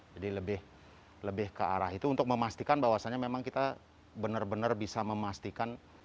jadi lebih ke arah itu untuk memastikan bahwasannya memang kita benar benar bisa memastikan